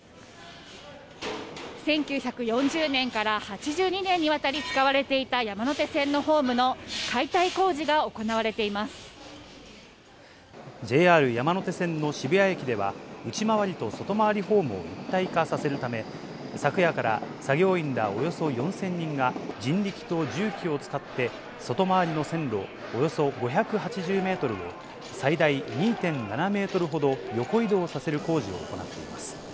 １９４０年から８２年にわたり使われていた山手線のホームのＪＲ山手線の渋谷駅では、内回りと外回りホームを一体化させるため、昨夜から作業員らおよそ４０００人が、人力と重機を使って、外回りの線路およそ５８０メートルを、最大２．７メートルほど横移動させる工事を行っています。